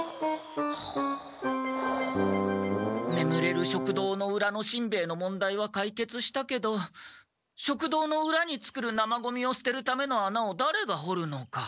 ねむれる食堂のうらのしんべヱの問題はかいけつしたけど食堂のうらに作る生ゴミをすてるための穴をだれが掘るのか？